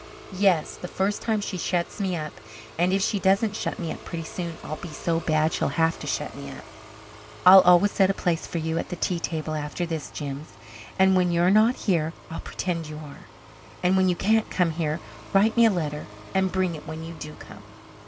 "Yes, the first time she shuts me up. And if she doesn't shut me up pretty soon I'll be so bad she'll have to shut me up." "I'll always set a place for you at the tea table after this, Jims. And when you're not here I'll pretend you are. And when you can't come here write me a letter and bring it when you do come."